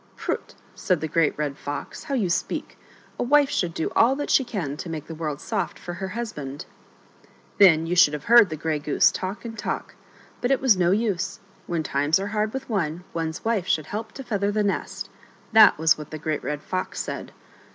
" Prut !" said the Great Red Fox, " how you speak ! A wife should do all that she can to make the world soft for her husband." 48 HOW THREE WENT OUT INTO THE WIDE WORLD. Then you should have heard the Grey Goose talk and talk. But it was no use ; when times are hard with one, one's wife should help to feather the nest — that was what the Great Red Fox said.